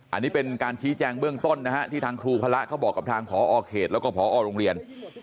อันนี้เป็นการชี้แจงเบื้องต้นนะฮะที่ทางครูพระเขาบอกกับทางพอเขตแล้วก็พอโรงเรียน